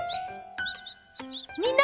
みんな！